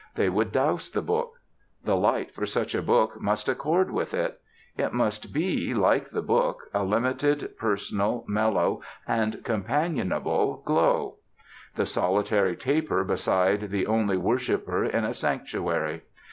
They would douse the book. The light for such a book must accord with it. It must be, like the book, a limited, personal, mellow, and companionable glow; the solitary taper beside the only worshiper in a sanctuary.